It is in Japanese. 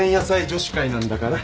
女子会なんだから。